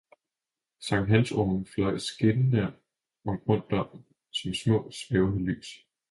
sankthansorme fløj skinnende rundt om, som små svævende lys.